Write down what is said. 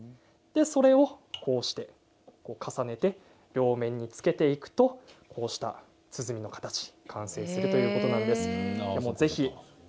それを重ねて両面につけていくと鼓の形、完成するということなんです。